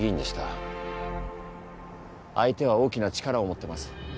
相手は大きな力を持ってます。